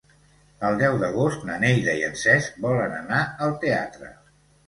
El deu d'agost na Neida i en Cesc volen anar al teatre.